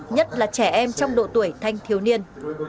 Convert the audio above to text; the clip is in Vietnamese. nhất là trẻ em trong độ tuổi thanh thiếu niên